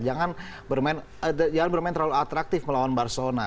jangan bermain terlalu atraktif melawan barcelona